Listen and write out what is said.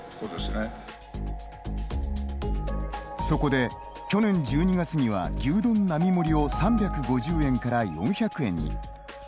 そこで、去年１２月には牛丼並盛を３５０円から４００円に。